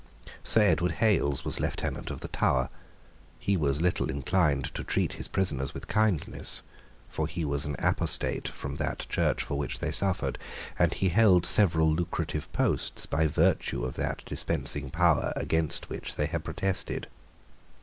Sir Edward Hales was Lieutenant of the Tower. He was little inclined to treat his prisoners with kindness. For he was an apostate from that Church for which they suffered; and he held several lucrative posts by virtue of that dispensing power against which they had protested.